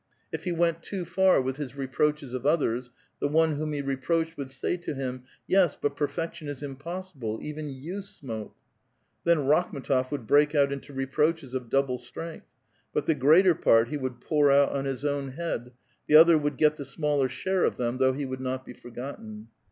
If he went too far with his reproaches of others, the one whom he reproached would say to him, "Yes, but perfection is impossible — even ' you smoke." Then Rakhm^tof would break out into re 'j proaches of double strength ; but the greater part he would pour out on his own head, the other would get the smaller ■ idhare of them, though he would not be forgotten.